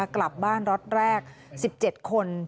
กลับบ้านรถแรก๑๗คน